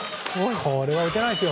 これは打てないですよ